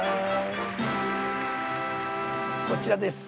こちらです。